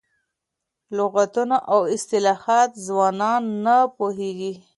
لغتونه او اصطلاحات ځوانان نه پوهېږي.